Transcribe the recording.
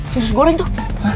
susu goreng tuh